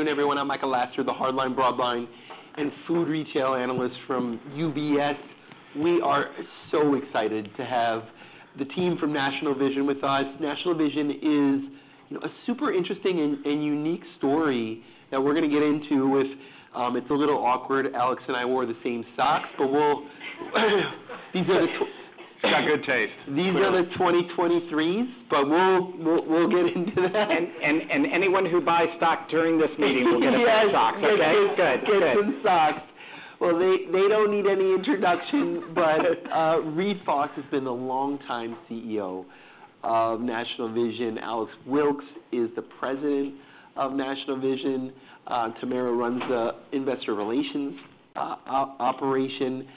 Good afternoon, everyone. I'm Michael Lasser, the hardline broadline and food retail analyst from UBS. We are so excited to have the team from National Vision with us. National Vision is a super interesting and unique story that we're going to get into with, it's a little awkward, Alex and I wore the same socks, but these are the. It's got good taste. These are the 2023s, but we'll get into that. Anyone who buys stock during this meeting will get a bunch of socks, okay? Yes, good. Get some socks. They don't need any introduction, but Reade Fahs has been the longtime CEO of National Vision. Alex Wilkes is the President of National Vision. Tamara runs the investor relations operation.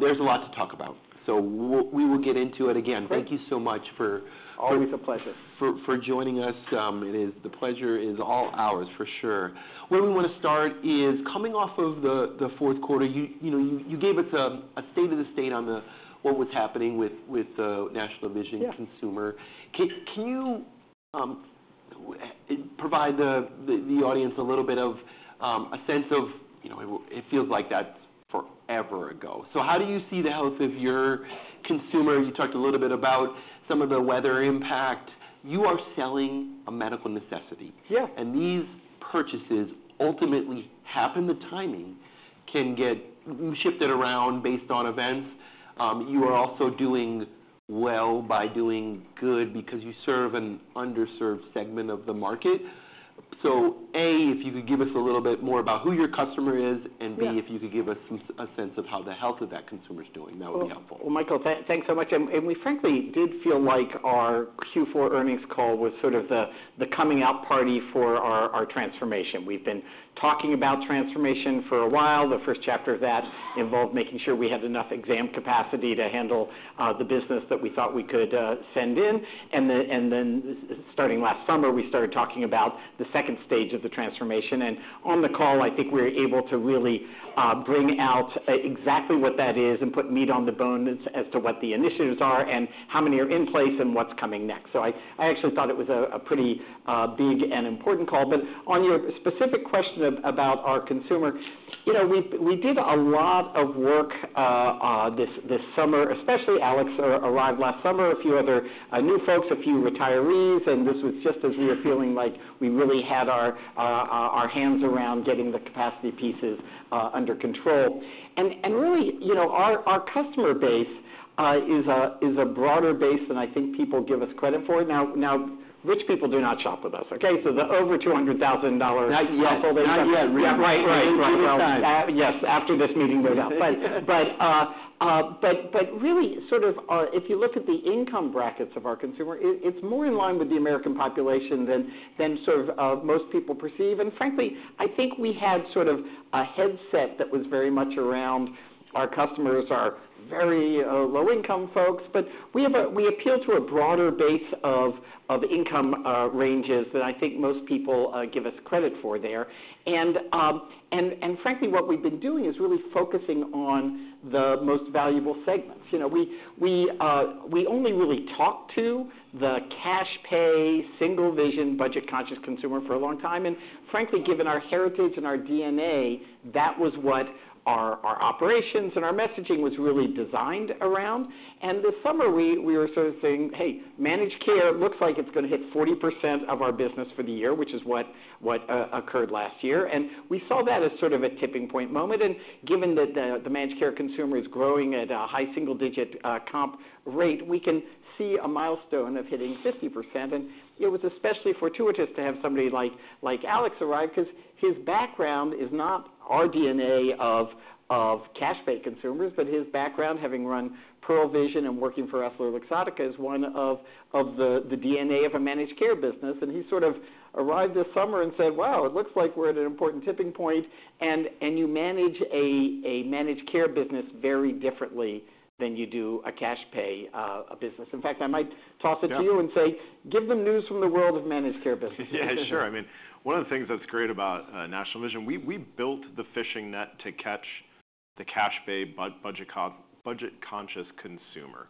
There's a lot to talk about, so we will get into it again. Thank you so much for. Always a pleasure. For joining us. The pleasure is all ours, for sure. Where we want to start is coming off of the fourth quarter, you gave us a state of the state on what was happening with the National Vision consumer. Can you provide the audience a little bit of a sense of, it feels like that's forever ago? How do you see the health of your consumer? You talked a little bit about some of the weather impact. You are selling a medical necessity. Yeah. These purchases ultimately happen. The timing can get shifted around based on events. You are also doing well by doing good because you serve an underserved segment of the market. If you could give us a little bit more about who your customer is, and if you could give us a sense of how the health of that consumer is doing, that would be helpful. Michael, thanks so much. We frankly did feel like our Q4 earnings call was sort of the coming out party for our transformation. We've been talking about transformation for a while. The first chapter of that involved making sure we had enough exam capacity to handle the business that we thought we could send in. Starting last summer, we started talking about the second stage of the transformation. On the call, I think we were able to really bring out exactly what that is and put meat on the bones as to what the initiatives are and how many are in place and what's coming next. I actually thought it was a pretty big and important call. On your specific question about our consumer, we did a lot of work this summer, especially Alex arrived last summer, a few other new folks, a few retirees, and this was just as we were feeling like we really had our hands around getting the capacity pieces under control. Really, our customer base is a broader base than I think people give us credit for. Now, rich people do not shop with us, okay? The over $200,000 household. Not yet, not yet, right, right, right. Yes, after this meeting word's out. Really, sort of if you look at the income brackets of our consumer, it's more in line with the American population than sort of most people perceive. Frankly, I think we had sort of a headset that was very much around our customers, our very low-income folks, but we appeal to a broader base of income ranges that I think most people give us credit for there. Frankly, what we've been doing is really focusing on the most valuable segments. We only really talked to the cash-pay, single-vision, budget-conscious consumer for a long time. Frankly, given our heritage and our DNA, that was what our operations and our messaging was really designed around. This summer, we were sort of saying, "Hey, managed care looks like it's going to hit 40% of our business for the year," which is what occurred last year. We saw that as sort of a tipping point moment. Given that the managed care consumer is growing at a high single-digit comp rate, we can see a milestone of hitting 50%. It was especially fortuitous to have somebody like Alex arrive because his background is not our DNA of cash-pay consumers, but his background, having run Pearle Vision and working for EssilorLuxottica, is one of the DNA of a managed care business. He sort of arrived this summer and said, "Wow, it looks like we're at an important tipping point," and you manage a managed care business very differently than you do a cash-pay business. In fact, I might toss it to you and say, "Give them news from the world of managed care businesses. Yeah, sure. I mean, one of the things that's great about National Vision, we built the fishing net to catch the cash-pay, budget-conscious consumer.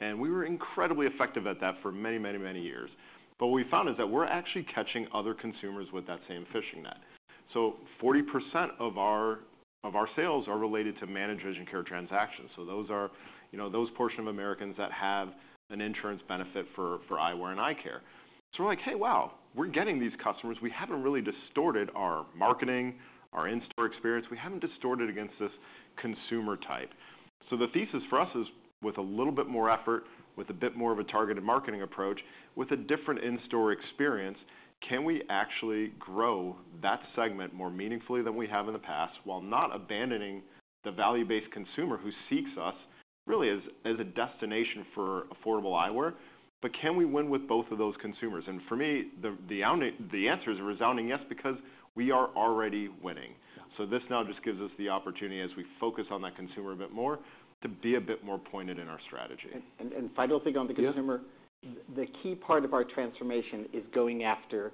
And we were incredibly effective at that for many, many, many years. What we found is that we're actually catching other consumers with that same fishing net. 40% of our sales are related to managed vision care transactions. Those are those portions of Americans that have an insurance benefit for eyewear and eye care. We're like, "Hey, wow, we're getting these customers." We haven't really distorted our marketing, our in-store experience. We haven't distorted against this consumer type. The thesis for us is with a little bit more effort, with a bit more of a targeted marketing approach, with a different in-store experience, can we actually grow that segment more meaningfully than we have in the past while not abandoning the value-based consumer who seeks us really as a destination for affordable eyewear? Can we win with both of those consumers? For me, the answer is a resounding yes because we are already winning. This now just gives us the opportunity, as we focus on that consumer a bit more, to be a bit more pointed in our strategy. The final thing on the consumer, the key part of our transformation is going after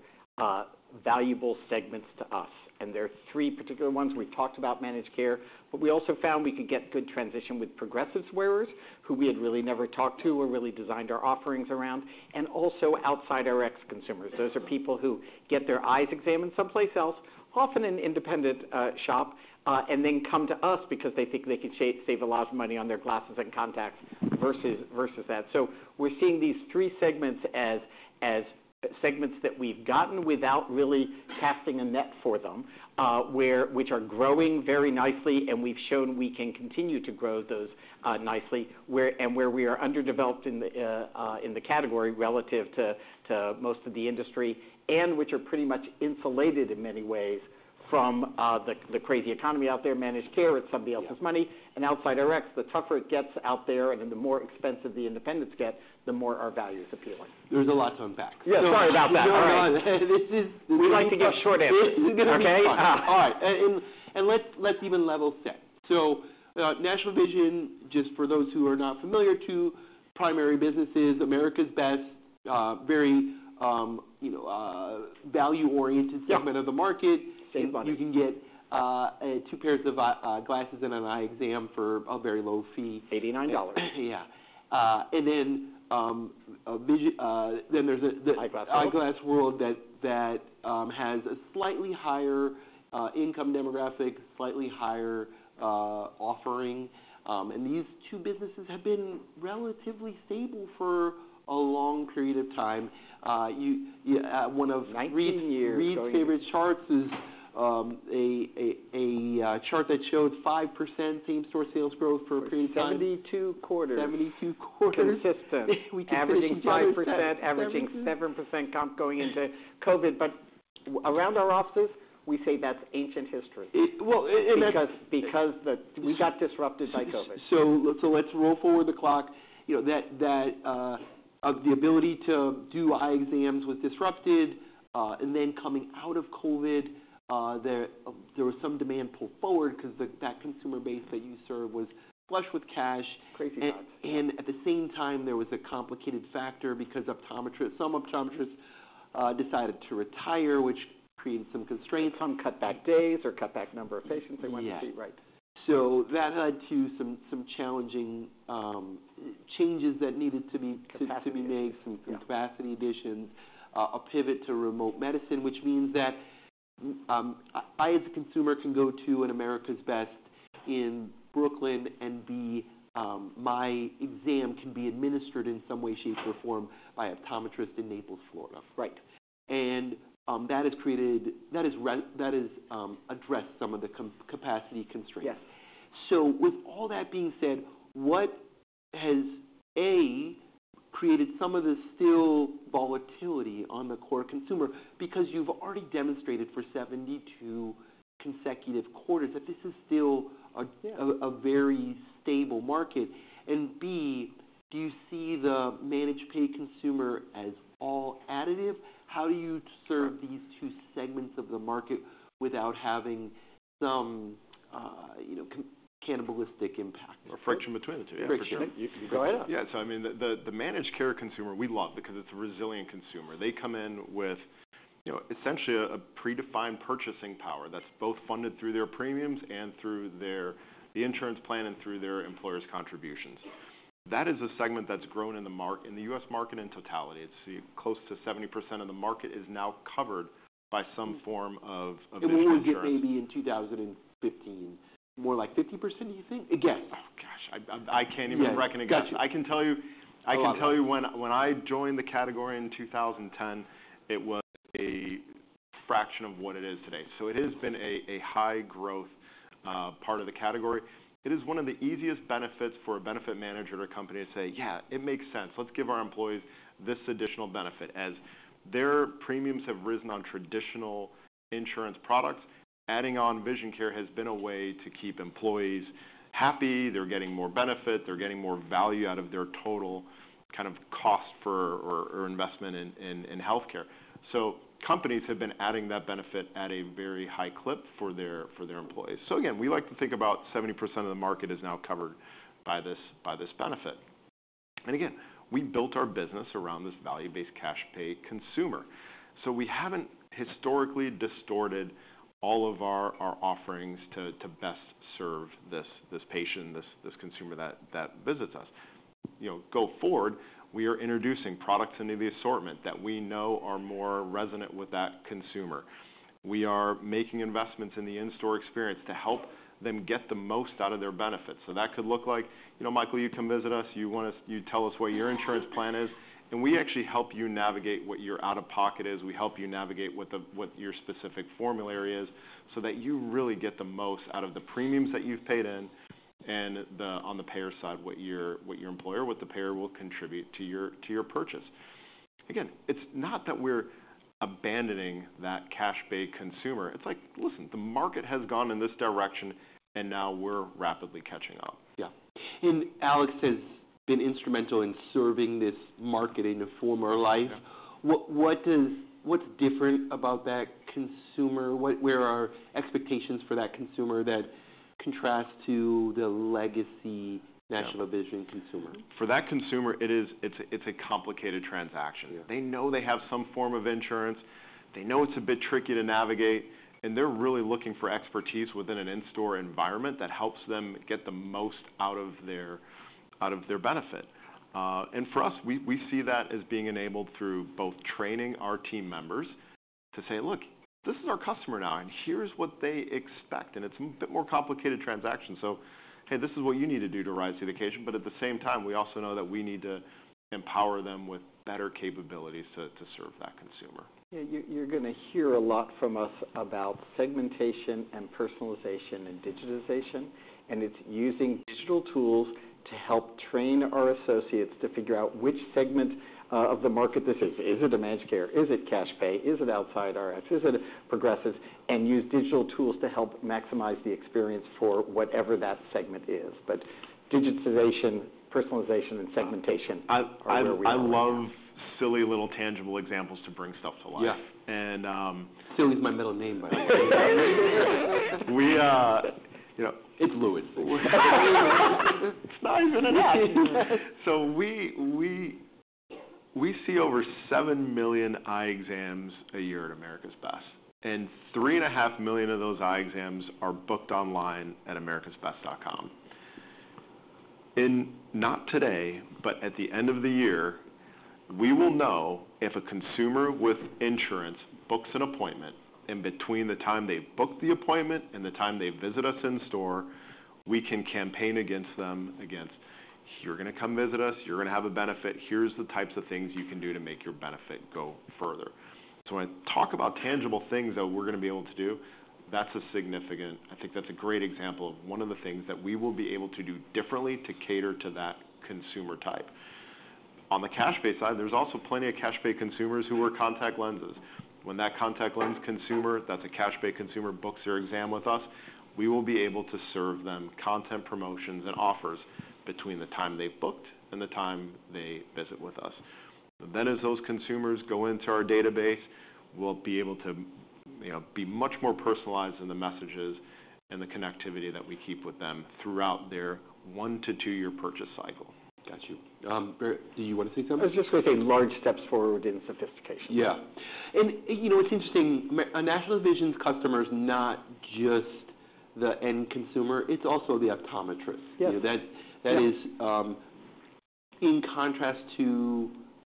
valuable segments to us. There are three particular ones. We've talked about managed care, but we also found we could get good transition with progressive wearers who we had really never talked to or really designed our offerings around, and also outside Rx consumers. Those are people who get their eyes examined someplace else, often an independent shop, and then come to us because they think they can save a lot of money on their glasses and contacts versus that. We're seeing these three segments as segments that we've gotten without really casting a net for them, which are growing very nicely, and we've shown we can continue to grow those nicely, and where we are underdeveloped in the category relative to most of the industry, and which are pretty much insulated in many ways from the crazy economy out there, managed care at somebody else's money, and outside Rx, the tougher it gets out there, and the more expensive the independents get, the more our value is appealing. There's a lot to unpack. Sorry about that. No, no, no. We like to give short answers, okay? All right. Let's even level set. National Vision, just for those who are not familiar, two primary businesses, America's Best, very value-oriented segment of the market. Save money. You can get two pairs of glasses and an eye exam for a very low fee. $89. Yeah. There's the. Eyeglass world. Eyeglass World that has a slightly higher income demographic, slightly higher offering. These two businesses have been relatively stable for a long period of time. One of Reade's favorite charts is a chart that showed 5% same-store sales growth for a period of time. 72 quarters. 72 quarters. Consistent. Averaging 5%, averaging 7% comp going into COVID. Around our offices, we say that's ancient history. Well. Because we got disrupted by COVID. Let's roll forward the clock. The ability to do eye exams was disrupted. Then coming out of COVID, there was some demand pulled forward because that consumer base that you serve was flush with cash. Crazy times. At the same time, there was a complicated factor because some optometrists decided to retire, which created some constraints. Some cut back days or cut back number of patients they wanted to treat, right? That led to some challenging changes that needed to be made, some capacity additions, a pivot to remote medicine, which means that I, as a consumer, can go to an America's Best in Brooklyn and my exam can be administered in some way, shape, or form by an optometrist in Naples, Florida. Right. That has created, that has addressed some of the capacity constraints. Yes. With all that being said, what has, A, created some of the still volatility on the core consumer? Because you've already demonstrated for 72 consecutive quarters that this is still a very stable market. B, do you see the managed pay consumer as all additive? How do you serve these two segments of the market without having some cannibalistic impact? A friction between the two. Friction. Yeah, go ahead. Yeah. I mean, the managed care consumer, we love because it's a resilient consumer. They come in with essentially a predefined purchasing power that's both funded through their premiums and through the insurance plan and through their employer's contributions. That is a segment that's grown in the U.S. market in totality. It's close to 70% of the market is now covered by some form of insurance. We were just maybe in 2015, more like 50%, do you think? Yes. Oh gosh, I can't even reckon it. I can tell you, when I joined the category in 2010, it was a fraction of what it is today. It has been a high-growth part of the category. It is one of the easiest benefits for a benefit manager at a company to say, "Yeah, it makes sense. Let's give our employees this additional benefit." As their premiums have risen on traditional insurance products, adding on vision care has been a way to keep employees happy. They're getting more benefit. They're getting more value out of their total kind of cost for or investment in healthcare. Companies have been adding that benefit at a very high clip for their employees. Again, we like to think about 70% of the market is now covered by this benefit. Again, we built our business around this value-based cash-pay consumer. We haven't historically distorted all of our offerings to best serve this patient, this consumer that visits us. Go forward, we are introducing products into the assortment that we know are more resonant with that consumer. We are making investments in the in-store experience to help them get the most out of their benefits. That could look like, "Michael, you come visit us. You tell us what your insurance plan is, and we actually help you navigate what your out-of-pocket is. We help you navigate what your specific formulary is so that you really get the most out of the premiums that you've paid in." On the payer side, what your employer, what the payer will contribute to your purchase. Again, it's not that we're abandoning that cash-pay consumer. It's like, "Listen, the market has gone in this direction, and now we're rapidly catching up. Yeah. Alex has been instrumental in serving this market in a former life. What's different about that consumer? Where are expectations for that consumer that contrasts to the legacy National Vision consumer? For that consumer, it's a complicated transaction. They know they have some form of insurance. They know it's a bit tricky to navigate, and they're really looking for expertise within an in-store environment that helps them get the most out of their benefit. For us, we see that as being enabled through both training our team members to say, "Look, this is our customer now, and here's what they expect." It's a bit more complicated transaction. "Hey, this is what you need to do to arrive to the occasion." At the same time, we also know that we need to empower them with better capabilities to serve that consumer. You're going to hear a lot from us about segmentation and personalization and digitization, and it's using digital tools to help train our associates to figure out which segment of the market this is. Is it managed care? Is it cash-pay? Is it outside Rx? Is it progressives? And use digital tools to help maximize the experience for whatever that segment is. Digitization, personalization, and segmentation are where we are. I love silly little tangible examples to bring stuff to life. Yeah. And. Silly is my middle name, by the way. It's Leonard. It's not even an acronym. We see over 7 million eye exams a year at America's Best. 3.5 million of those eye exams are booked online at americasbest.com. Not today, but at the end of the year, we will know if a consumer with insurance books an appointment. Between the time they book the appointment and the time they visit us in-store, we can campaign against them, "You're going to come visit us. You're going to have a benefit. Here are the types of things you can do to make your benefit go further." When I talk about tangible things that we're going to be able to do, that's a significant—I think that's a great example of one of the things that we will be able to do differently to cater to that consumer type. On the cash-pay side, there's also plenty of cash-pay consumers who wear contact lenses. When that contact lens consumer—that's a cash-pay consumer—books their exam with us, we will be able to serve them content promotions and offers between the time they booked and the time they visit with us. As those consumers go into our database, we'll be able to be much more personalized in the messages and the connectivity that we keep with them throughout their one to two-year purchase cycle. Got you. Do you want to say something? I was just going to say large steps forward in sophistication. Yeah. It's interesting, National Vision's customer is not just the end consumer. It's also the optometrist. That is, in contrast to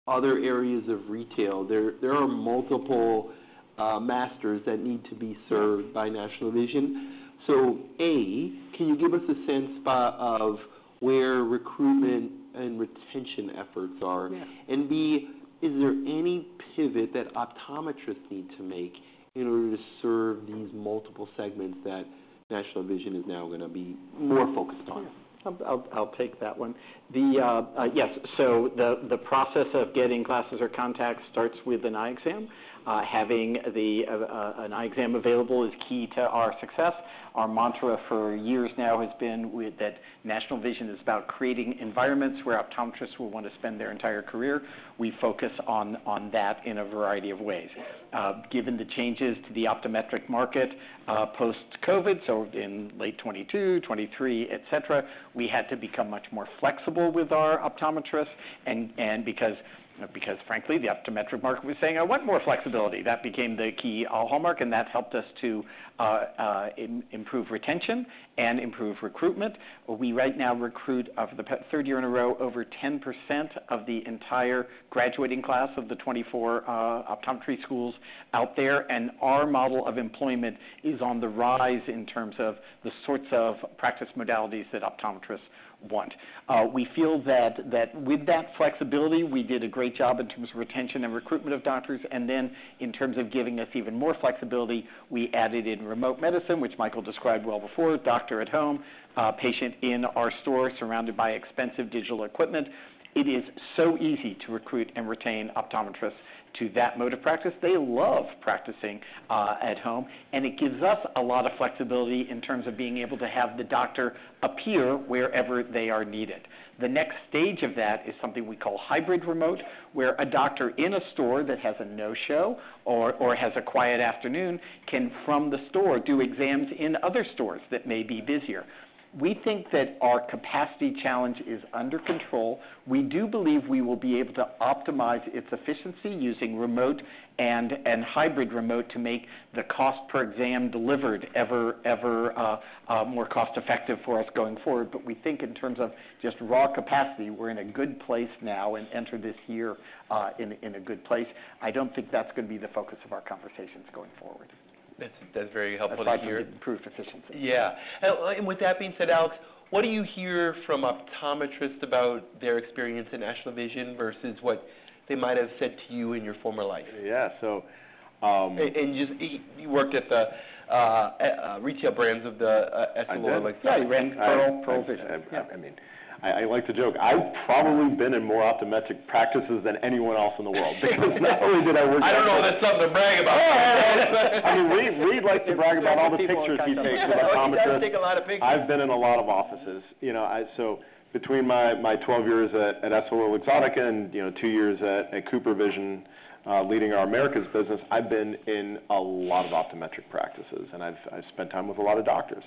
other areas of retail, there are multiple masters that need to be served by National Vision. A, can you give us a sense of where recruitment and retention efforts are? B, is there any pivot that optometrists need to make in order to serve these multiple segments that National Vision is now going to be more focused on? I'll take that one. Yes. The process of getting glasses or contacts starts with an eye exam. Having an eye exam available is key to our success. Our mantra for years now has been that National Vision is about creating environments where optometrists will want to spend their entire career. We focus on that in a variety of ways. Given the changes to the optometric market post-COVID, in late 2022, 2023, etc., we had to become much more flexible with our optometrists. Because, frankly, the optometric market was saying, "I want more flexibility," that became the key hallmark, and that helped us to improve retention and improve recruitment. We right now recruit for the third year in a row over 10% of the entire graduating class of the 24 optometry schools out there. Our model of employment is on the rise in terms of the sorts of practice modalities that optometrists want. We feel that with that flexibility, we did a great job in terms of retention and recruitment of doctors. In terms of giving us even more flexibility, we added in remote medicine, which Michael described well before, doctor at home, patient in our store surrounded by expensive digital equipment. It is so easy to recruit and retain optometrists to that mode of practice. They love practicing at home. It gives us a lot of flexibility in terms of being able to have the doctor appear wherever they are needed. The next stage of that is something we call hybrid remote, where a doctor in a store that has a no-show or has a quiet afternoon can, from the store, do exams in other stores that may be busier. We think that our capacity challenge is under control. We do believe we will be able to optimize its efficiency using remote and hybrid remote to make the cost per exam delivered ever more cost-effective for us going forward. We think in terms of just raw capacity, we are in a good place now and enter this year in a good place. I do not think that is going to be the focus of our conversations going forward. That's very helpful to hear. Proof of efficiency. Yeah. With that being said, Alex, what do you hear from optometrists about their experience at National Vision versus what they might have said to you in your former life? Yeah. So. You worked at the retail brands of Essilor, Alex. Yeah, he ran Pearle Vision. I mean, I like to joke. I've probably been in more optometric practices than anyone else in the world because not only did I work. I don't know if that's something to brag about. I mean, Reade likes to brag about all the pictures he takes with optometrists. Reade does take a lot of pictures. I've been in a lot of offices. Between my 12 years at EssilorLuxottica and two years at CooperVision leading our America's business, I've been in a lot of optometric practices, and I've spent time with a lot of doctors.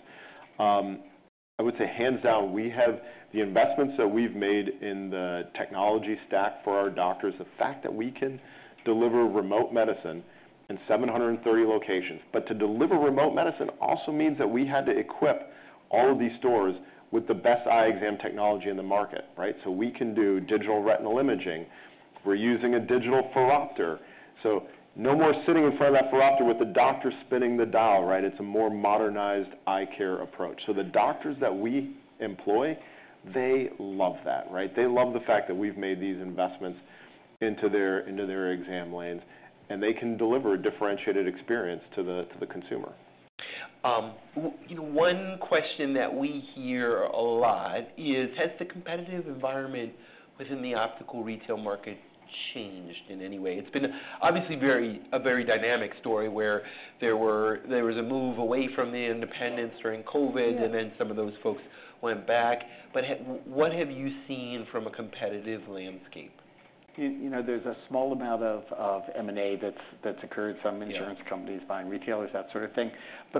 I would say hands down, we have the investments that we've made in the technology stack for our doctors, the fact that we can deliver remote medicine in 730 locations. To deliver remote medicine also means that we had to equip all of these stores with the best eye exam technology in the market, right? We can do digital retinal imaging. We're using a digital phoropter. No more sitting in front of that phoropter with the doctor spinning the dial, right? It's a more modernized eye care approach. The doctors that we employ, they love that, right? They love the fact that we've made these investments into their exam lanes, and they can deliver a differentiated experience to the consumer. One question that we hear a lot is, has the competitive environment within the optical retail market changed in any way? It's been obviously a very dynamic story where there was a move away from the independents during COVID, and then some of those folks went back. What have you seen from a competitive landscape? There's a small amount of M&A that's occurred from insurance companies buying retailers, that sort of thing.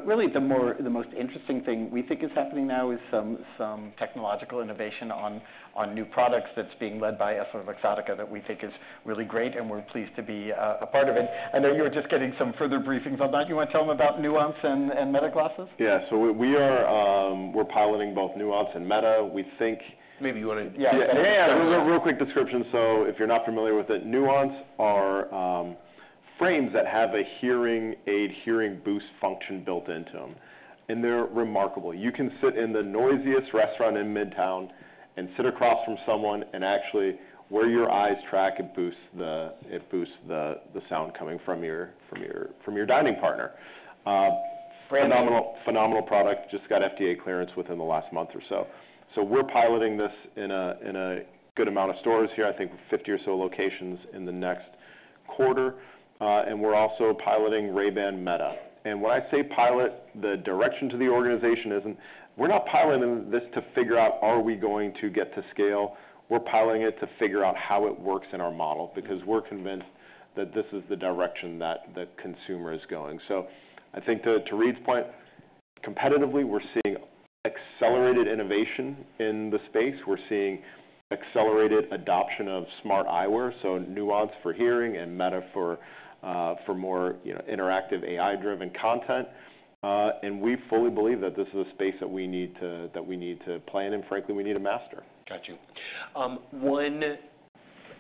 Really, the most interesting thing we think is happening now is some technological innovation on new products that's being led by EssilorLuxottica that we think is really great, and we're pleased to be a part of it. I know you were just getting some further briefings on that. You want to tell them about Nuance and Meta Glasses? Yeah. We're piloting both Nuance and Meta. We think. Maybe you want to. Yeah. Real quick description. If you're not familiar with it, Nuance are frames that have a hearing aid hearing boost function built into them, and they're remarkable. You can sit in the noisiest restaurant in Midtown and sit across from someone and actually wear your eyes. Track, it boosts the sound coming from your dining partner. Phenomenal product. Just got FDA clearance within the last month or so. We're piloting this in a good amount of stores here, I think 50 or so locations in the next quarter. We're also piloting Ray-Ban Meta. When I say pilot, the direction to the organization isn't we're not piloting this to figure out, are we going to get to scale? We're piloting it to figure out how it works in our model because we're convinced that this is the direction that consumer is going. I think to Reade's point, competitively, we're seeing accelerated innovation in the space. We're seeing accelerated adoption of smart eyewear, so Nuance for hearing and Meta for more interactive AI-driven content. We fully believe that this is a space that we need to plan, and frankly, we need to master. Got you. One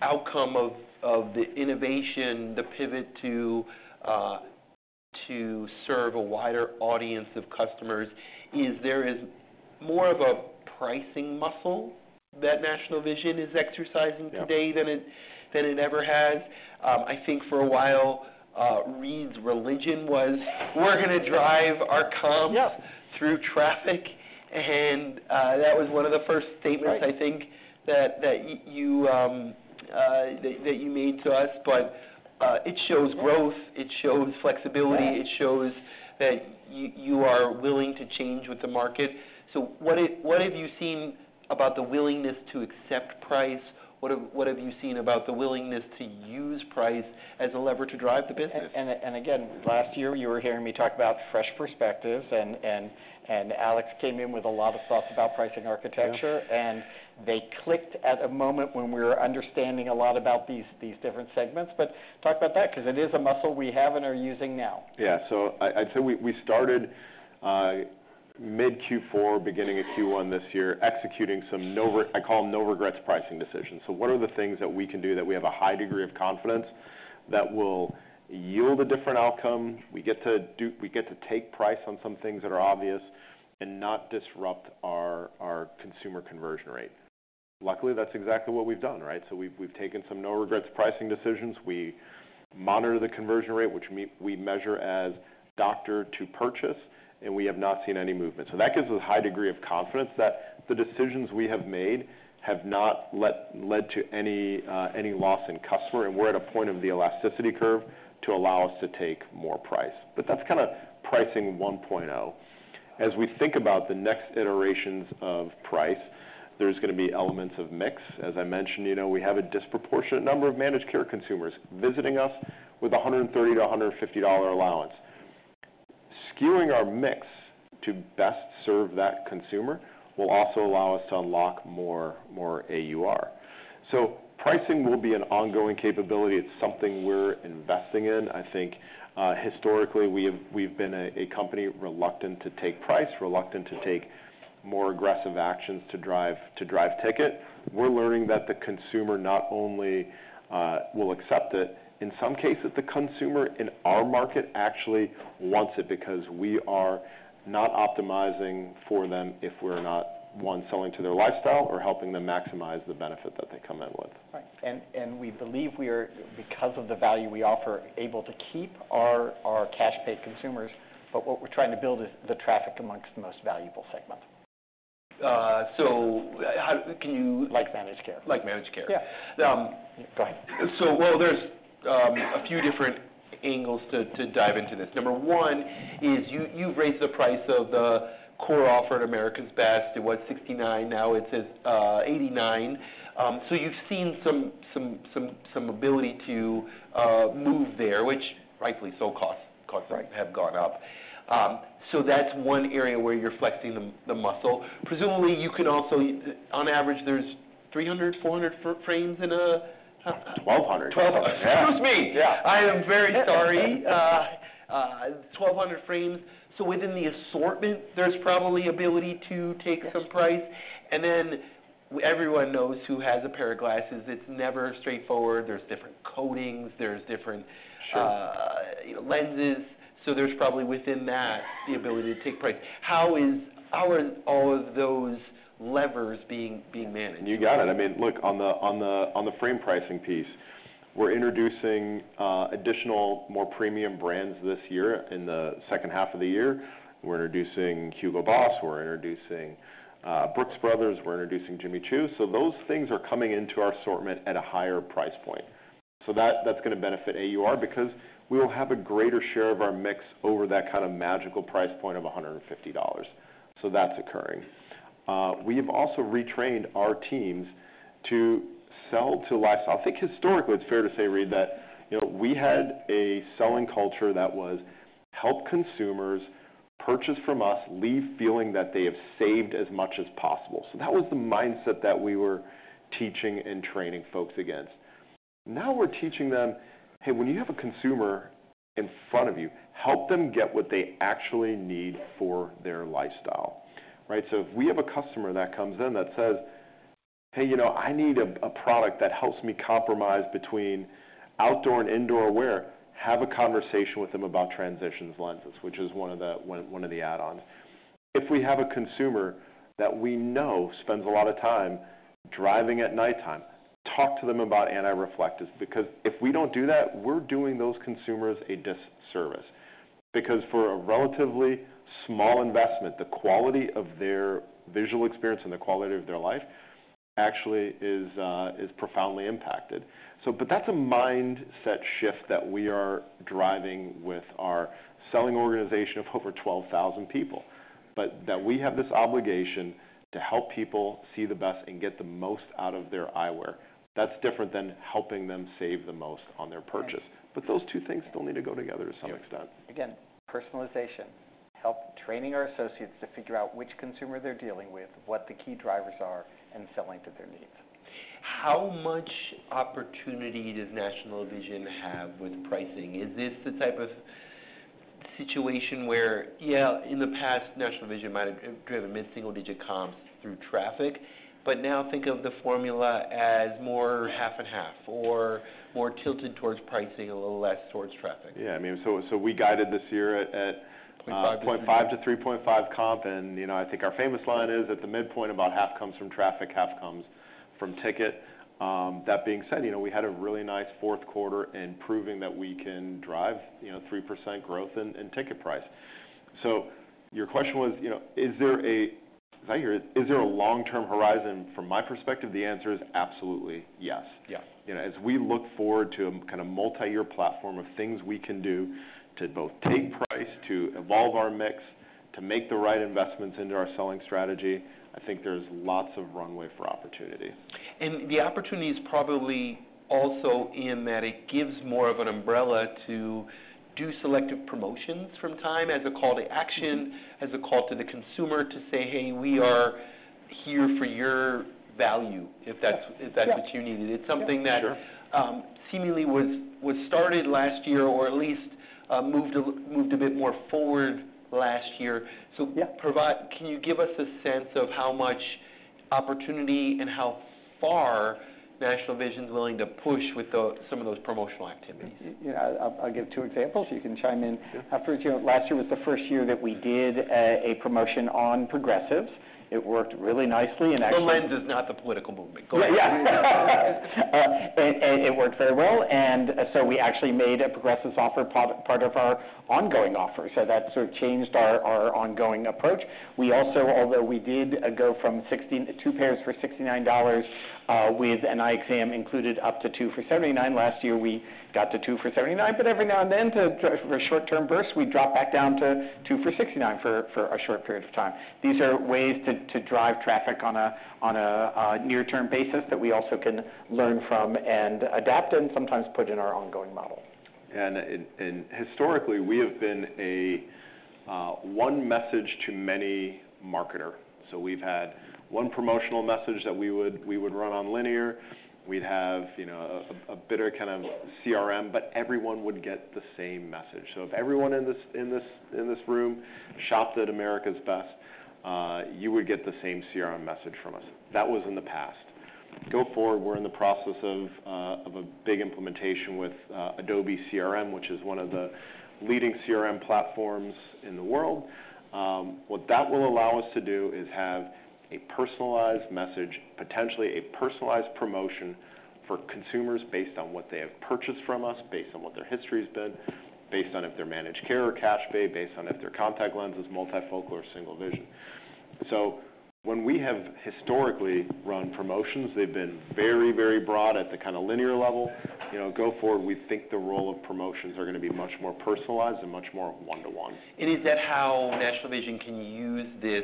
outcome of the innovation, the pivot to serve a wider audience of customers is there is more of a pricing muscle that National Vision is exercising today than it ever has. I think for a while, Reade's religion was, "We're going to drive our comps through traffic." That was one of the first statements, I think, that you made to us. It shows growth. It shows flexibility. It shows that you are willing to change with the market. What have you seen about the willingness to accept price? What have you seen about the willingness to use price as a lever to drive the business? Last year, you were hearing me talk about fresh perspectives, and Alex came in with a lot of thoughts about pricing architecture. They clicked at a moment when we were understanding a lot about these different segments. Talk about that because it is a muscle we have and are using now. Yeah. I'd say we started mid-Q4, beginning of Q1 this year, executing some I call them no-regrets pricing decisions. What are the things that we can do that we have a high degree of confidence that will yield a different outcome? We get to take price on some things that are obvious and not disrupt our consumer conversion rate. Luckily, that's exactly what we've done, right? We've taken some no-regrets pricing decisions. We monitor the conversion rate, which we measure as doctor to purchase, and we have not seen any movement. That gives us a high degree of confidence that the decisions we have made have not led to any loss in customer, and we're at a point of the elasticity curve to allow us to take more price. That's kind of pricing 1.0. As we think about the next iterations of price, there's going to be elements of mix. As I mentioned, we have a disproportionate number of managed care consumers visiting us with a $130-$150 allowance. Skewing our mix to best serve that consumer will also allow us to unlock more AUR. Pricing will be an ongoing capability. It's something we're investing in. I think historically, we've been a company reluctant to take price, reluctant to take more aggressive actions to drive ticket. We're learning that the consumer not only will accept it. In some cases, the consumer in our market actually wants it because we are not optimizing for them if we're not, one, selling to their lifestyle or helping them maximize the benefit that they come in with. Right. We believe we are, because of the value we offer, able to keep our cash-pay consumers. What we're trying to build is the traffic amongst the most valuable segment. Can you. Like managed care. Like managed care. Yeah. Go ahead. There are a few different angles to dive into this. Number one is you've raised the price of the core offer at America's Best. It was $69. Now it's $89. You've seen some ability to move there, which rightfully so, costs have gone up. That's one area where you're flexing the muscle. Presumably, you can also, on average, there's 300-400 frames in a. 1,200. 1,200. Excuse me. I am very sorry. 1,200 frames. Within the assortment, there's probably ability to take some price. Everyone knows who has a pair of glasses, it's never straightforward. There's different coatings, there's different lenses. There's probably within that the ability to take price. How are all of those levers being managed? You got it. I mean, look, on the frame pricing piece, we're introducing additional more premium brands this year in the second half of the year. We're introducing Hugo Boss. We're introducing Brooks Brothers. We're introducing Jimmy Choo. Those things are coming into our assortment at a higher price point. That's going to benefit AUR because we will have a greater share of our mix over that kind of magical price point of $150. That's occurring. We have also retrained our teams to sell to lifestyle. I think historically, it's fair to say, Reade, that we had a selling culture that was help consumers purchase from us, leave feeling that they have saved as much as possible. That was the mindset that we were teaching and training folks against. Now we're teaching them, "Hey, when you have a consumer in front of you, help them get what they actually need for their lifestyle," right? If we have a customer that comes in that says, "Hey, I need a product that helps me compromise between outdoor and indoor wear," have a conversation with them about Transitions lenses, which is one of the add-ons. If we have a consumer that we know spends a lot of time driving at nighttime, talk to them about anti-reflectives because if we don't do that, we're doing those consumers a disservice because for a relatively small investment, the quality of their visual experience and the quality of their life actually is profoundly impacted. That is a mindset shift that we are driving with our selling organization of over 12,000 people, that we have this obligation to help people see the best and get the most out of their eyewear. That is different than helping them save the most on their purchase. Those two things still need to go together to some extent. Again, personalization, help training our associates to figure out which consumer they're dealing with, what the key drivers are, and selling to their needs. How much opportunity does National Vision have with pricing? Is this the type of situation where, yeah, in the past, National Vision might have driven mid-single digit comps through traffic, but now think of the formula as more half and half or more tilted towards pricing, a little less towards traffic? Yeah. I mean, so we guided this year at. 0.5%. 0.5%-3.5% comp. I think our famous line is at the midpoint, about half comes from traffic, half comes from ticket. That being said, we had a really nice fourth quarter in proving that we can drive 3% growth in ticket price. Your question was, as I hear it, is there a long-term horizon? From my perspective, the answer is absolutely yes. As we look forward to a kind of multi-year platform of things we can do to both take price, to evolve our mix, to make the right investments into our selling strategy, I think there is lots of runway for opportunity. The opportunity is probably also in that it gives more of an umbrella to do selective promotions from time as a call to action, as a call to the consumer to say, "Hey, we are here for your value if that's what you needed." It's something that seemingly was started last year or at least moved a bit more forward last year. Can you give us a sense of how much opportunity and how far National Vision is willing to push with some of those promotional activities? I'll give two examples. You can chime in. Last year was the first year that we did a promotion on progressives. It worked really nicely and actually. The lens is not the political movement. Yeah. It worked very well. We actually made a progressive offer part of our ongoing offer. That sort of changed our ongoing approach. We also, although we did go from two pairs for $69 with an eye exam included up to two for $79 last year, we got to two for $79. Every now and then, for a short-term burst, we drop back down to two for $69 for a short period of time. These are ways to drive traffic on a near-term basis that we also can learn from and adapt and sometimes put in our ongoing model. Historically, we have been a one message to many marketer. We have had one promotional message that we would run on linear. We had a bit of CRM, but everyone would get the same message. If everyone in this room shopped at America's Best, you would get the same CRM message from us. That was in the past. Go forward, we are in the process of a big implementation with Adobe CRM, which is one of the leading CRM platforms in the world. What that will allow us to do is have a personalized message, potentially a personalized promotion for consumers based on what they have purchased from us, based on what their history has been, based on if they are managed care or cash-pay, based on if their contact lens is multifocal or single vision. When we have historically run promotions, they've been very, very broad at the kind of linear level. Go forward, we think the role of promotions are going to be much more personalized and much more one-to-one. Is that how National Vision can use this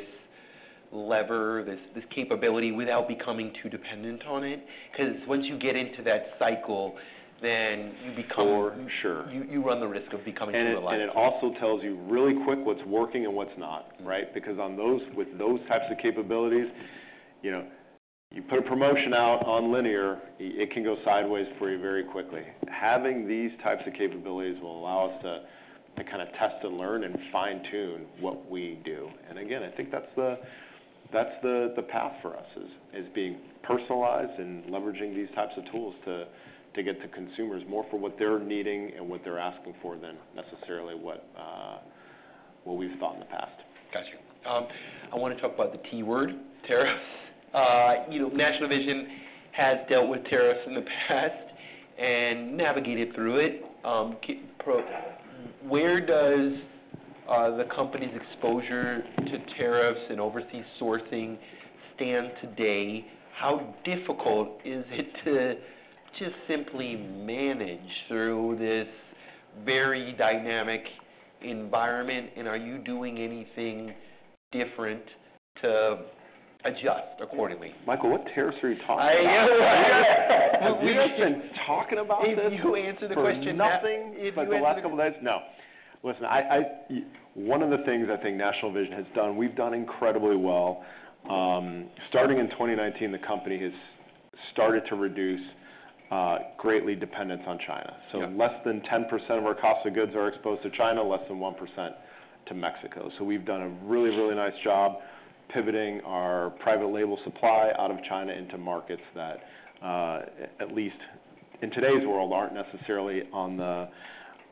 lever, this capability without becoming too dependent on it? Because once you get into that cycle, then you become. Sure. You run the risk of becoming too reliable. It also tells you really quick what's working and what's not, right? Because with those types of capabilities, you put a promotion out on linear, it can go sideways for you very quickly. Having these types of capabilities will allow us to kind of test and learn and fine-tune what we do. Again, I think that's the path for us, being personalized and leveraging these types of tools to get to consumers more for what they're needing and what they're asking for than necessarily what we've thought in the past. Got you. I want to talk about the T-word, tariffs. National Vision has dealt with tariffs in the past and navigated through it. Where does the company's exposure to tariffs and overseas sourcing stand today? How difficult is it to just simply manage through this very dynamic environment? Are you doing anything different to adjust accordingly? Michael, what tariffs are you talking about? I know. We've just been talking about this. You answer the question nothing. It's like the last couple of days. No. Listen, one of the things I think National Vision has done, we've done incredibly well. Starting in 2019, the company has started to reduce greatly dependence on China. Less than 10% of our cost of goods are exposed to China, less than 1% to Mexico. We've done a really, really nice job pivoting our private label supply out of China into markets that at least in today's world aren't necessarily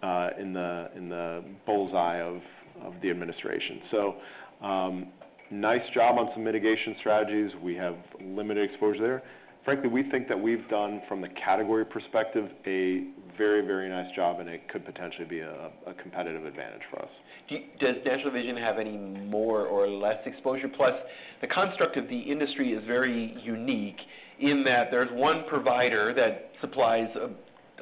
in the bull's eye of the administration. Nice job on some mitigation strategies. We have limited exposure there. Frankly, we think that we've done, from the category perspective, a very, very nice job, and it could potentially be a competitive advantage for us. Does National Vision have any more or less exposure? Plus, the construct of the industry is very unique in that there is one provider that supplies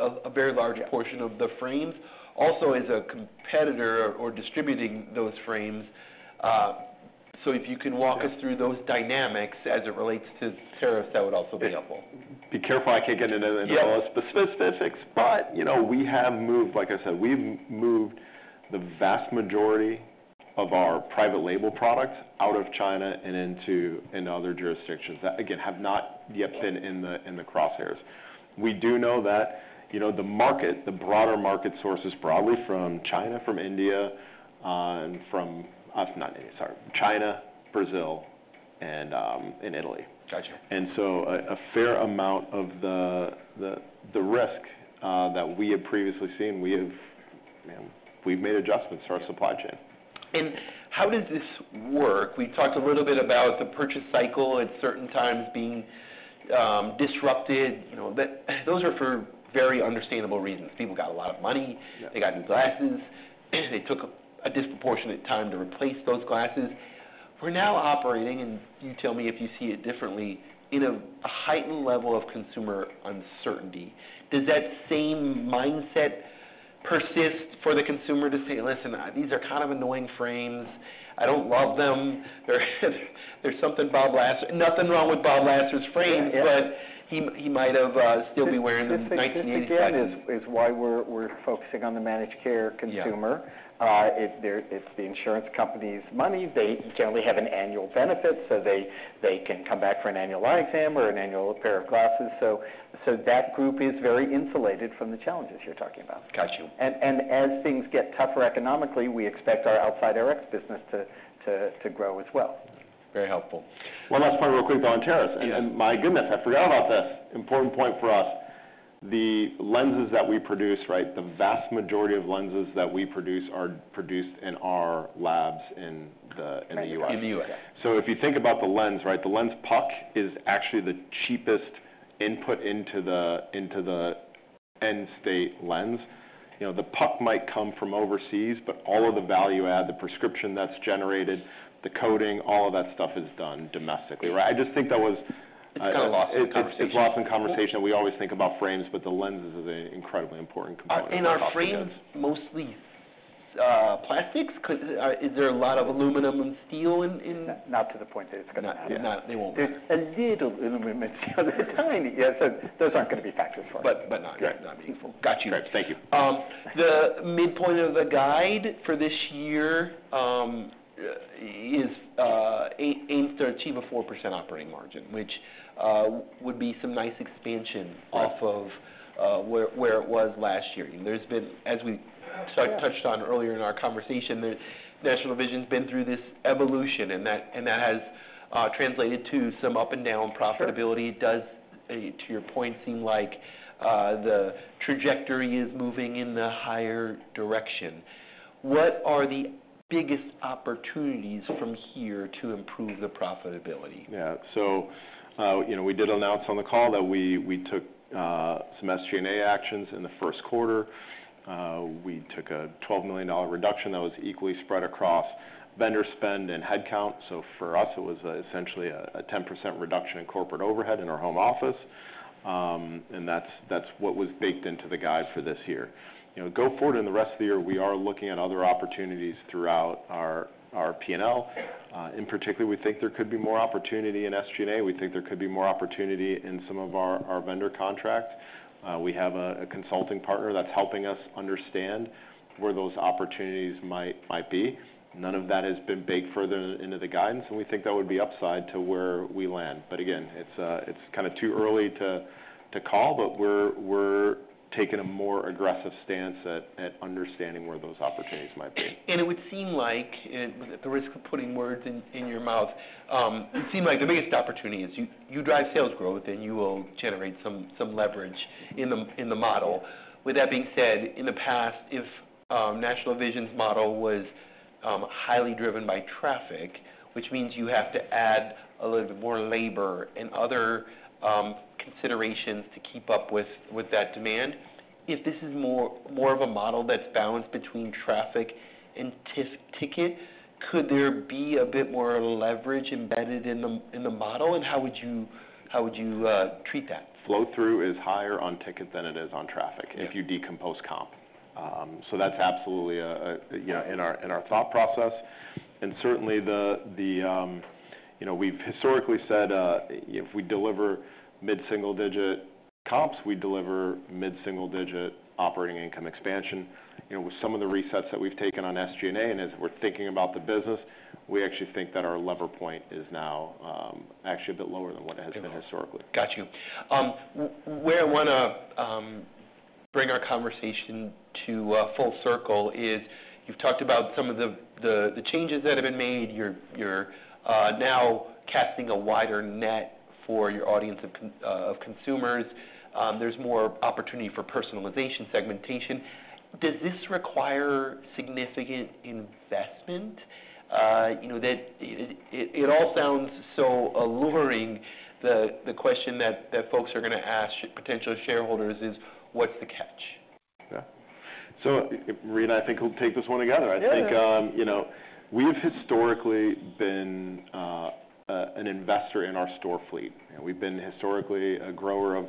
a very large portion of the frames, also is a competitor or distributing those frames. If you can walk us through those dynamics as it relates to tariffs, that would also be helpful. Be careful. I can't get into all the specifics, but we have moved, like I said, we've moved the vast majority of our private label products out of China and into other jurisdictions that, again, have not yet been in the crosshairs. We do know that the market, the broader market source is broadly from China, from India, from us, not India, sorry, China, Brazil, and Italy. A fair amount of the risk that we have previously seen, we've made adjustments to our supply chain. How does this work? We talked a little bit about the purchase cycle at certain times being disrupted. Those are for very understandable reasons. People got a lot of money. They got new glasses. They took a disproportionate time to replace those glasses. We're now operating, and you tell me if you see it differently, in a heightened level of consumer uncertainty. Does that same mindset persist for the consumer to say, "Listen, these are kind of annoying frames. I don't love them. There's something—Bob Glass, nothing wrong with Bob Glass's frame, but he might have still be wearing them in 1987. This again is why we're focusing on the managed care consumer. It's the insurance company's money. They generally have an annual benefit, so they can come back for an annual eye exam or an annual pair of glasses. That group is very insulated from the challenges you're talking about. As things get tougher economically, we expect our outside Rx business to grow as well. Very helpful. One last point real quick on tariffs. My goodness, I forgot about this. Important point for us. The lenses that we produce, right, the vast majority of lenses that we produce are produced in our labs in the U.S. In the U.S. If you think about the lens, right, the lens puck is actually the cheapest input into the end state lens. The puck might come from overseas, but all of the value add, the prescription that's generated, the coating, all of that stuff is done domestically, right? I just think that was. It's kind of lost. It's lost in conversation. We always think about frames, but the lenses are the incredibly important component of the business. Are frames mostly plastics? Is there a lot of aluminum and steel in? Not to the point that it's going to happen. No, they won't matter. There's a little aluminum and steel. They're tiny. Those aren't going to be factors for us. Not meaningful. Got you. Thank you. The midpoint of the guide for this year is 8.3%-4% operating margin, which would be some nice expansion off of where it was last year. As we touched on earlier in our conversation, National Vision has been through this evolution, and that has translated to some up and down profitability. It does, to your point, seem like the trajectory is moving in the higher direction. What are the biggest opportunities from here to improve the profitability? Yeah. We did announce on the call that we took some SG&A actions in the first quarter. We took a $12 million reduction that was equally spread across vendor spend and headcount. For us, it was essentially a 10% reduction in corporate overhead in our home office. That was what was baked into the guide for this year. Go forward in the rest of the year, we are looking at other opportunities throughout our P&L. In particular, we think there could be more opportunity in SG&A. We think there could be more opportunity in some of our vendor contracts. We have a consulting partner that's helping us understand where those opportunities might be. None of that has been baked further into the guidance, and we think that would be upside to where we land. Again, it's kind of too early to call, but we're taking a more aggressive stance at understanding where those opportunities might be. At the risk of putting words in your mouth, it seems like the biggest opportunity is you drive sales growth, and you will generate some leverage in the model. With that being said, in the past, if National Vision's model was highly driven by traffic, which means you have to add a little bit more labor and other considerations to keep up with that demand, if this is more of a model that's balanced between traffic and ticket, could there be a bit more leverage embedded in the model? How would you treat that? Flow-through is higher on ticket than it is on traffic if you decompose comp. That is absolutely in our thought process. Certainly, we have historically said if we deliver mid-single digit comps, we deliver mid-single digit operating income expansion. With some of the resets that we have taken on SG&A and as we are thinking about the business, we actually think that our lever point is now actually a bit lower than what it has been historically. Got you. Where I want to bring our conversation to full circle is you've talked about some of the changes that have been made. You're now casting a wider net for your audience of consumers. There's more opportunity for personalization segmentation. Does this require significant investment? It all sounds so alluring. The question that folks are going to ask potential shareholders is, what's the catch? Yeah. Reade and I think we'll take this one together. I think we have historically been an investor in our store fleet. We've been historically a grower of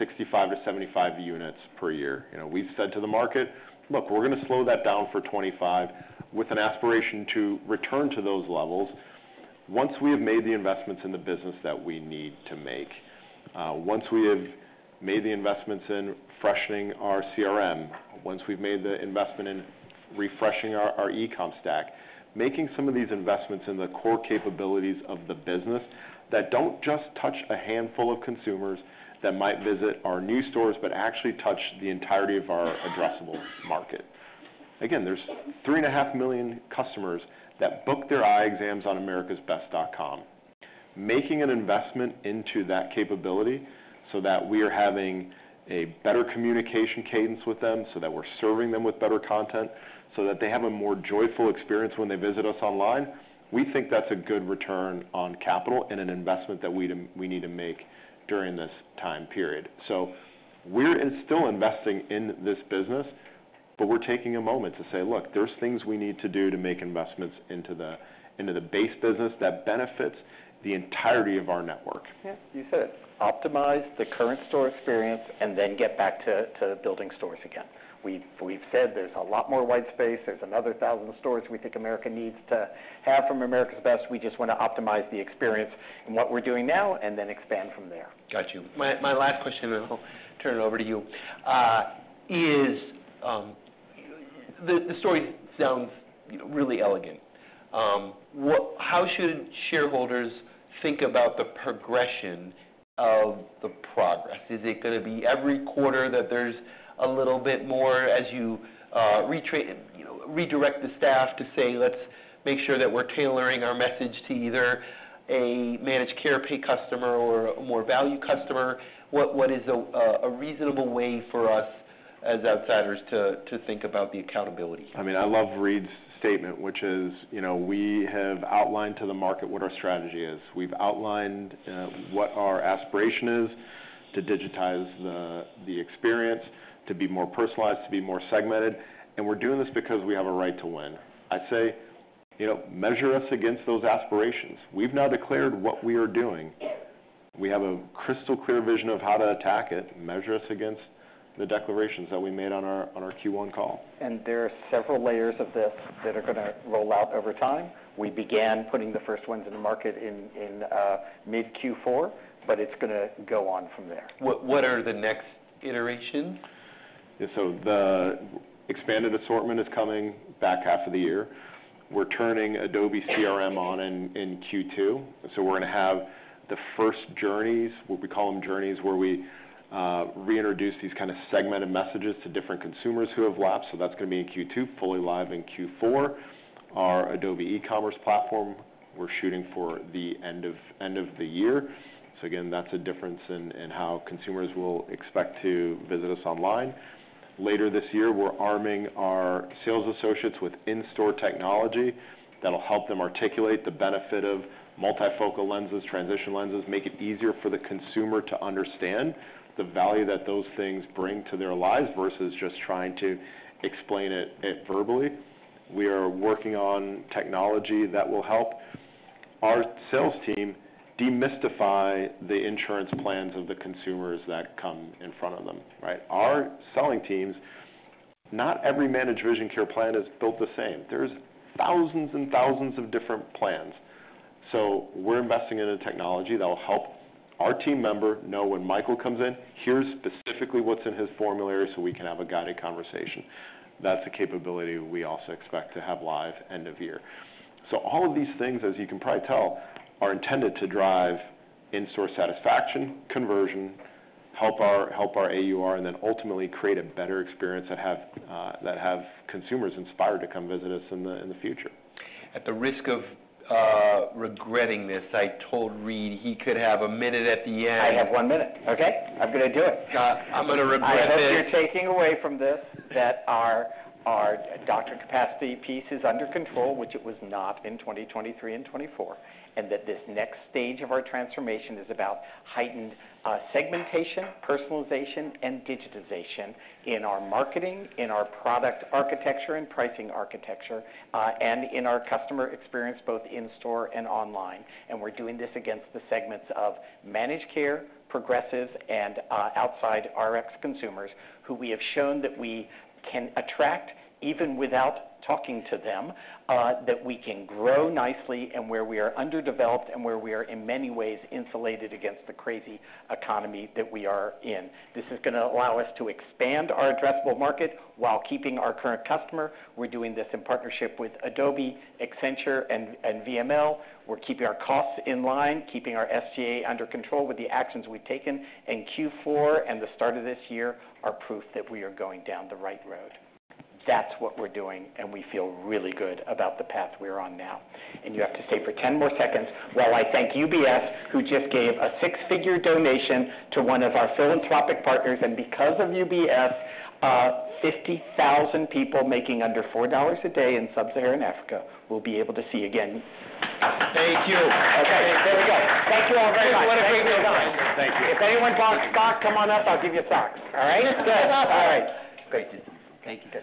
65-75 units per year. We've said to the market, "Look, we're going to slow that down for 2025 with an aspiration to return to those levels." Once we have made the investments in the business that we need to make, once we have made the investments in freshening our CRM, once we've made the investment in refreshing our e-comm stack, making some of these investments in the core capabilities of the business that don't just touch a handful of consumers that might visit our new stores, but actually touch the entirety of our addressable market. Again, there's three and a half million customers that book their eye exams on americasbest.com. Making an investment into that capability so that we are having a better communication cadence with them, so that we're serving them with better content, so that they have a more joyful experience when they visit us online, we think that's a good return on capital and an investment that we need to make during this time period. We're still investing in this business, but we're taking a moment to say, "Look, there's things we need to do to make investments into the base business that benefits the entirety of our network. Yeah. You said it. Optimize the current store experience and then get back to building stores again. We've said there's a lot more white space. There's another 1,000 stores we think America needs to have from America's Best. We just want to optimize the experience in what we're doing now and then expand from there. Got you. My last question, and I'll turn it over to you, is the story sounds really elegant. How should shareholders think about the progression of the progress? Is it going to be every quarter that there's a little bit more as you redirect the staff to say, "Let's make sure that we're tailoring our message to either a managed care pay customer or a more value customer"? What is a reasonable way for us as outsiders to think about the accountability? I mean, I love Reade's statement, which is we have outlined to the market what our strategy is. We have outlined what our aspiration is to digitize the experience, to be more personalized, to be more segmented. We are doing this because we have a right to win. I say measure us against those aspirations. We have now declared what we are doing. We have a crystal clear vision of how to attack it. Measure us against the declarations that we made on our Q1 call. There are several layers of this that are going to roll out over time. We began putting the first ones in the market in mid-Q4, but it's going to go on from there. What are the next iterations? The expanded assortment is coming back half of the year. We're turning Adobe CRM on in Q2. We're going to have the first journeys, what we call them journeys, where we reintroduce these kind of segmented messages to different consumers who have left. That's going to be in Q2, fully live in Q4. Our Adobe e-commerce platform, we're shooting for the end of the year. Again, that's a difference in how consumers will expect to visit us online. Later this year, we're arming our sales associates with in-store technology that'll help them articulate the benefit of multifocal lenses, Transitions lenses, make it easier for the consumer to understand the value that those things bring to their lives versus just trying to explain it verbally. We are working on technology that will help our sales team demystify the insurance plans of the consumers that come in front of them, right? Our selling teams, not every managed vision care plan is built the same. There are thousands and thousands of different plans. We are investing in a technology that will help our team member know when Michael comes in, here is specifically what is in his formulary so we can have a guided conversation. That is a capability we also expect to have live end of year. All of these things, as you can probably tell, are intended to drive in-store satisfaction, conversion, help our AUR, and ultimately create a better experience that have consumers inspired to come visit us in the future. At the risk of regretting this, I told Reade he could have a minute at the end. I have one minute. Okay. I'm going to do it. I'm going to regret this. I hope you're taking away from this that our doctor capacity piece is under control, which it was not in 2023 and 2024, and that this next stage of our transformation is about heightened segmentation, personalization, and digitization in our marketing, in our product architecture and pricing architecture, and in our customer experience both in-store and online. We are doing this against the segments of managed care, progressives, and outside Rx consumers who we have shown that we can attract even without talking to them, that we can grow nicely and where we are underdeveloped and where we are in many ways insulated against the crazy economy that we are in. This is going to allow us to expand our addressable market while keeping our current customer. We are doing this in partnership with Adobe, Accenture, and VML. We're keeping our costs in line, keeping our SG&A under control with the actions we've taken. Q4 and the start of this year are proof that we are going down the right road. That's what we're doing, and we feel really good about the path we're on now. You have to stay for 10 more seconds while I thank UBS, who just gave a six-figure donation to one of our philanthropic partners. Because of UBS, 50,000 people making under $4 a day in Sub-Saharan Africa will be able to see again. Thank you. Okay. There we go. Thank you all very much. What a great deal. Thank you. If anyone bought socks, come on up. I'll give you socks. All right? Good. All right. Great to see you. Thank you.